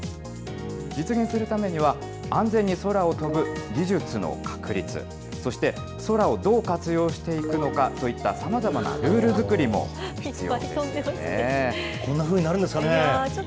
実現するためには、安全に空を飛ぶ技術の確立、そして空をどう活用していくのかといったさまざまなルール作りもこんなふうになるんですかね。